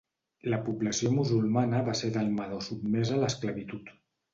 La població musulmana va ser delmada o sotmesa a l'esclavitud.